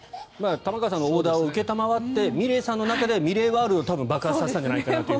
玉川さんのオーダーを承ってｍｉｌｅｔさんの中でｍｉｌｅｔワールドを爆発させたんじゃないかなと。